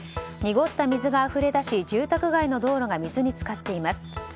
濁った水があふれ出し住宅街の道路が水に浸かっています。